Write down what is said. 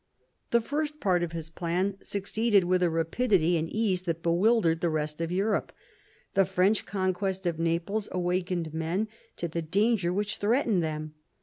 The first part of his plan succeeded with a rapidity and ease that bewildered the rest of Europa The French conquest of Naples awakened men to the danger which threatened them.